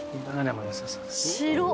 白っ。